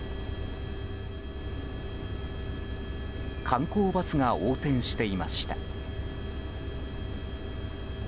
観光バスが横転していました。